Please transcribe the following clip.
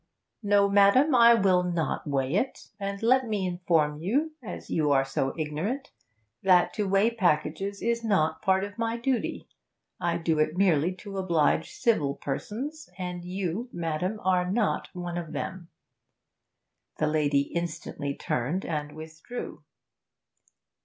'No, madam, I will not weigh it. And let me inform you, as you are so ignorant, that to weigh packets is not part of my duty. I do it merely to oblige civil persons, and you, madam, are not one of them.' The lady instantly turned and withdrew.